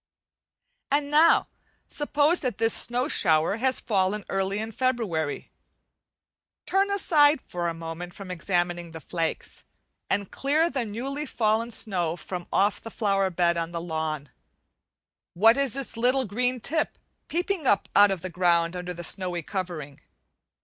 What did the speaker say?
And now, suppose that this snow shower has fallen early in February; turn aside for a moment from examining the flakes, and clear the newly fallen snow from off the flower bed on the lawn. What is this little green tip peeping up out of the ground under the snowy covering?